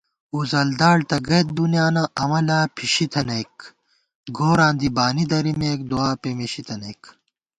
وُزلداڑ تہ گَئیت دُنیا نہ امہ لا پھِشی تنَئیک * گوراں دی بانی درِمېک دُعاپېمېشی تنَئیک